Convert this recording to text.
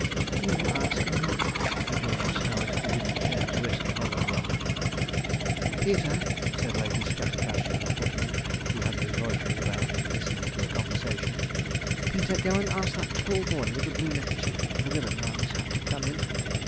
'You ask him, then,' rejoined Miss Howard, who didn't care to risk another rub. 'Peter,' said Lady Scattercash to the footman, who had been loitering about, listening to the conversation, 'Peter, go and ask that tall boy with the blue neckerchief and the riband round his hat to come in.'